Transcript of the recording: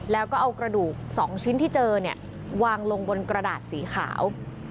แล้วก็เอากระดูก๒ชิ้นที่เจอเนี่ยวางลงบนกระดาษสีขาว